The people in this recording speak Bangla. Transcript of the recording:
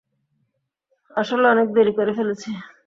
আসলে অনেক দেরি করে ফেলেছি!